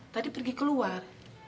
tadi pergi keluar